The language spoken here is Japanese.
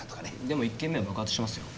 でも１件目は爆発してますよ。